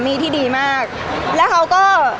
พี่ตอบได้แค่นี้จริงค่ะ